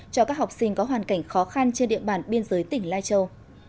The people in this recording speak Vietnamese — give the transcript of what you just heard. cho các học sinh có hoàn cảnh khó khăn trên địa bàn biên giới tỉnh lai châu